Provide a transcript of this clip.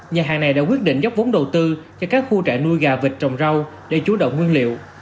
nhà hàng này đã quyết định góp vốn đầu tư cho các khu trại nuôi gà vịt trồng rau để chú động nguyên liệu